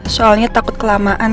soalnya takut kelamaan